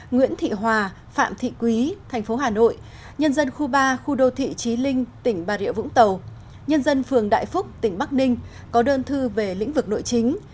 nguyễn thị hòa phạm thị quý thành phố hà nội nhân dân khu ba khu đô thị trí linh tỉnh bà rịa vũng tàu nhân dân phường đại phúc tỉnh bắc ninh có đơn thư về lĩnh vực nội chính